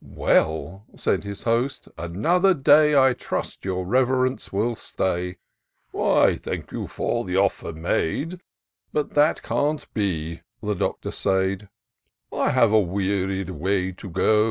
"Well," said his Host, " another day I trust your Reverence will stay." " I thank you for the offer made. But that can't be," the Doctor said; " I have a weary way to go.